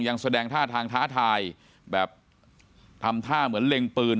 ยังแสดงท่าทางท้าทายแบบทำท่าเหมือนเล็งปืน